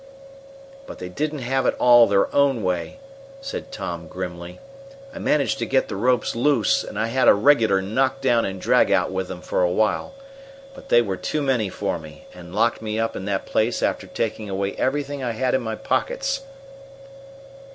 "But they didn't have it all their own way," said Tom grimly. "I managed to get the ropes loose, and I had a regular knock down and drag out with them for a while. But they were too many for me, and locked me up in that place after taking away everything I had in my pockets."